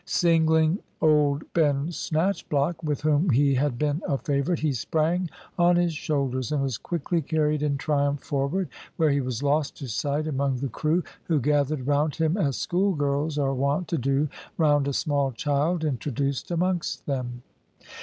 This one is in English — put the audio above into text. Singling old Ben Snatchblock, with whom he had been a favourite, he sprang on his shoulders and was quickly carried in triumph forward, where he was lost to sight among the crew, who gathered round him as school girls are wont to do round a small child introduced amongst them.